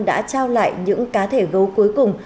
đã trao lại những cá thể gấu cuối cùng